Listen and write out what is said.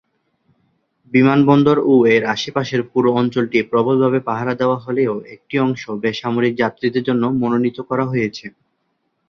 বিমানবন্দর ও এর আশেপাশের পুরো অঞ্চলটি প্রবলভাবে পাহারা দেওয়া হলেও একটি অংশ বেসামরিক যাত্রীদের জন্য মনোনীত করা হয়েছে।